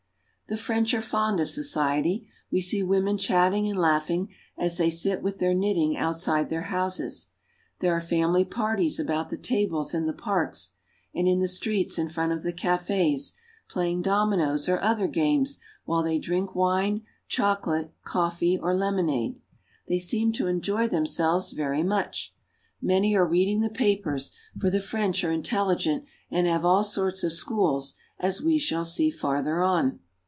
The French are fond of society. We see women chatting and laughing as they sit with their knitting outside their "— women chatting and laughing." houses. There are family parties about the tables in the parks and in the streets in front of the cafes, playing dominoes or other games, while they drink wine, chocolate, coffee, or lemonade. They seem to enjoy themselves very 88 FRANCE. much. Many are reading the papers, for the French are intelligent and have all sorts of schools, as we shall see farther on.